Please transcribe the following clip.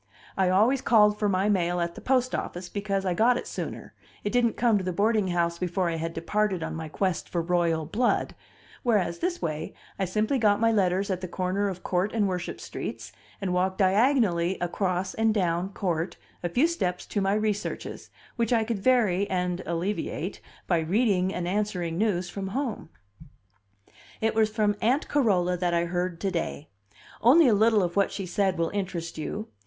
I always called for my mail at the post office, because I got it sooner; it didn't come to the boarding house before I had departed on my quest for royal blood, whereas, this way, I simply got my letters at the corner of Court and Worship streets and walked diagonally across and down Court a few steps to my researches, which I could vary and alleviate by reading and answering news from home. It was from Aunt Carola that I heard to day. Only a little of what she said will interest you.